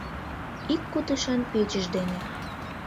Ик кутышан печыж дене